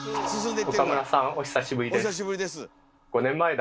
お久しぶりです。